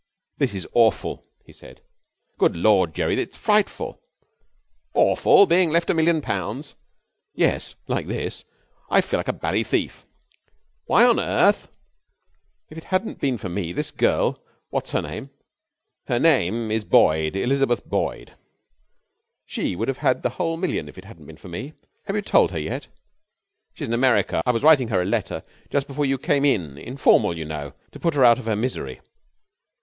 'This is awful!' he said. 'Good Lord, Jerry, it's frightful!' 'Awful! being left a million pounds?' 'Yes, like this. I feel like a bally thief.' 'Why on earth?' 'If it hadn't been for me this girl what's her name?' 'Her name is Boyd Elizabeth Boyd.' 'She would have had the whole million if it hadn't been for me. Have you told her yet?' 'She's in America. I was writing her a letter just before you came in informal, you know, to put her out of her misery.